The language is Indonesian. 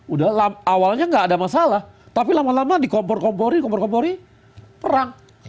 udah awalnya nggak ada masalah tapi lama lama dikompor komporin kompor komporin perang